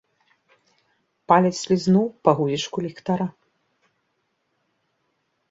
Палец слізнуў па гузічку ліхтара.